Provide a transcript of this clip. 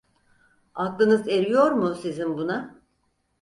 Aklınız eriyor mu sizin buna?